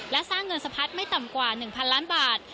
และสร้างเงินสะพัดไม่ต่ำกว่า๑๐๐ล้านบาท